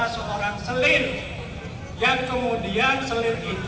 saya ini bukan ini